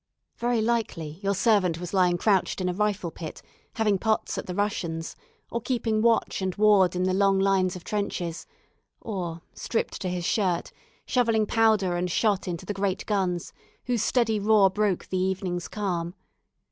Very likely, your servant was lying crouched in a rifle pit, having "pots" at the Russians, or keeping watch and ward in the long lines of trenches, or, stripped to his shirt, shovelling powder and shot into the great guns, whose steady roar broke the evening's calm.